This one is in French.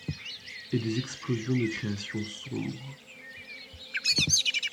Et des explosions de créations sombres.